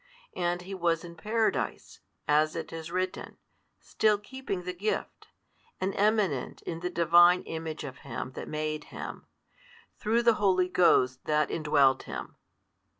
And he was in Paradise, as it is written, still keeping the Gift, and eminent in the Divine Image of Him That made him, through the Holy Ghost That indwelt him.